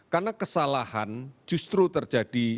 karena kesalahan justru terjadi